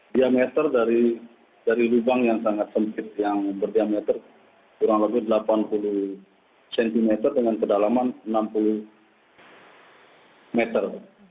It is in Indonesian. diameter dari lubang yang sangat sempit yang berdiameter kurang lebih delapan puluh cm dengan kedalaman enam puluh meter